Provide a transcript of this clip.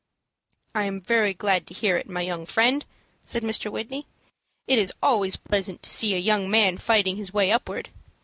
"I am very glad to hear it, my young friend," said Mr. Whitney. "It is always pleasant to see a young man fighting his way upward.